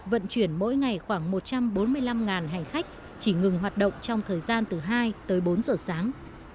vận chuyển mỗi ngày khoảng một trăm bốn mươi năm hành khách chỉ ngừng hoạt động trong thời gian từ hai tới bốn giờ sáng